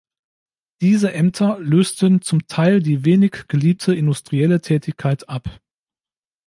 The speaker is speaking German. Diese Ämter lösten zum Teil die wenig geliebte industrielle Tätigkeit ab.